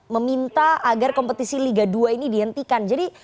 meminta agar kompetisi liga dua ini dihentikan